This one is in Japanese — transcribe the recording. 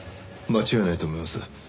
間違いないと思います。